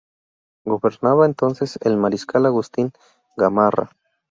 Gobernaba entonces el mariscal Agustín Gamarra.